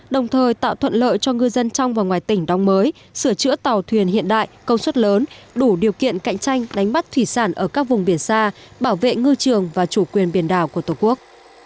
đồng thời tạo thuận lợi cho ngư dân trong và ngoài tỉnh đóng mới sửa chữa tàu thuyền hiện đại công suất lớn đủ điều kiện cạnh tranh đánh bắt thủy sản ở các vùng biển xa bảo vệ ngư trường và chủ quyền biển đảo của tổ quốc